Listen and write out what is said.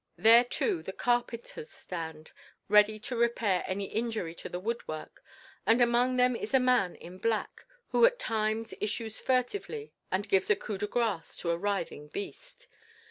There, too, the carpenters stand ready to repair any injury to the woodwork, and among them is a man in black, who at times issues furtively and gives a coup de grace to a writhing beast.